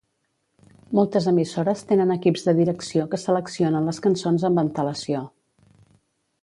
Moltes emissores tenen equips de direcció que seleccionen les cançons amb antelació.